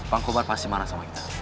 bang kobar pasti marah sama kita